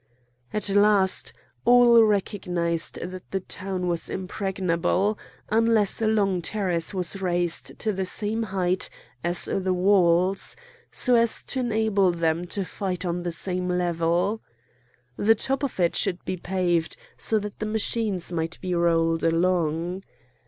At last all recognised that the town was impregnable, unless a long terrace was raised to the same height as the walls, so as to enable them to fight on the same level. The top of it should be paved so that the machines might be rolled along.